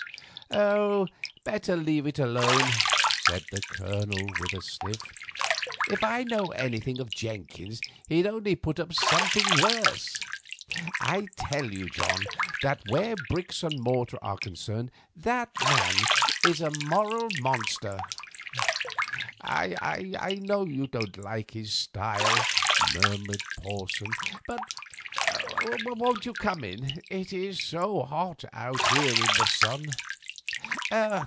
"Better leave it alone," said the Colonel, with a sniff. "If I know anything of Jenkins he'd only put up something worse. I tell you, John, that where bricks and mortar are concerned that man's a moral monster." "I know you don't like his style," murmured Porson; "but won't you come in, it is so hot out here in the sun?"